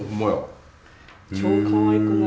超かわいくない？